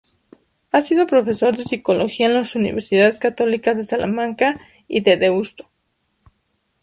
Ha sido profesor de Psicología en las universidades católicas de Salamanca y de Deusto.